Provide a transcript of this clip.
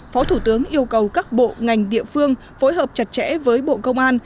phó thủ tướng yêu cầu các bộ ngành địa phương phối hợp chặt chẽ với bộ công an